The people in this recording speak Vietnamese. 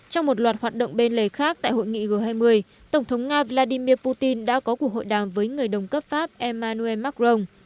trong một loạt hoạt động bên lề khác tại hội nghị g hai mươi tổng thống nga vladimir putin đã có cuộc hội đàm với người đồng cấp pháp emmanuel macron